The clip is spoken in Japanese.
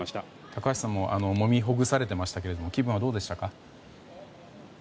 高橋さんももみほぐされていましたけれども気分はどうでしたか？